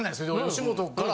吉本から。